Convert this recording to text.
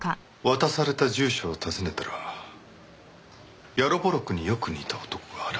渡された住所を訪ねたらヤロポロクによく似た男が現れた。